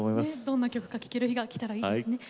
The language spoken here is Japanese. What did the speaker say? どんな曲か聴ける日が来たらいいですね。